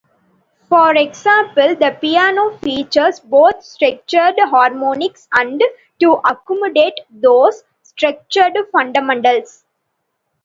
For example, the piano features both stretched harmonics and, to accommodate those, stretched fundamentals.